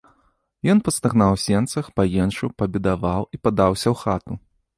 Ён пастагнаў у сенцах, паенчыў, пабедаваў і падаўся ў хату.